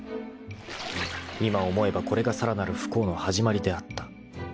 ［今思えばこれがさらなる不幸の始まりであった］